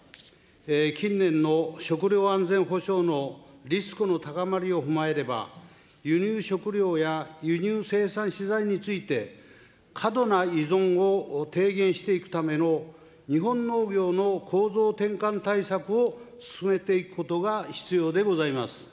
近年の食料安全保障のリスクの高まりを踏まえれば、輸入食料や輸入生産資材について、過度な依存を低減していくための日本農業の構造転換対策を進めていくことが必要でございます。